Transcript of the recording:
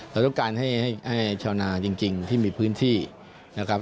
เราต้องการให้ชาวนาจริงที่มีพื้นที่นะครับ